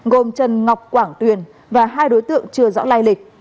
gồm trần ngọc quảng tuyền và hai đối tượng chưa rõ lai lịch